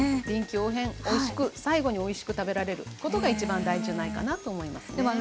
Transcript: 臨機応変おいしく最後においしく食べられることが一番大事じゃないかなと思いますね。